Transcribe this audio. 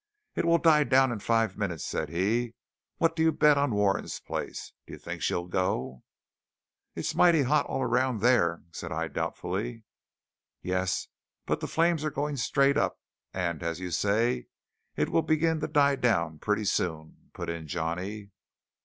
"It will die down in five minutes," said he. "What do you bet on Warren's place? Do you think she'll go?" "It's mighty hot all around there," said I doubtfully. "Yes, but the flames are going straight up; and, as you say, it will begin to die down pretty soon," put in Johnny.